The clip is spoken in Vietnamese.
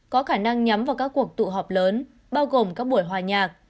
có khả năng nhắm vào các cuộc tụ họp lớn bao gồm các buổi hòa nhạc